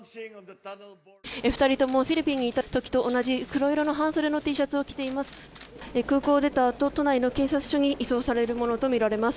２人ともフィリピンにいた時と同じ黒色の半袖のＴシャツを着ています。